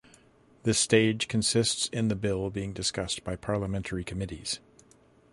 This stage consists in the bill being discussed by parliamentary committees.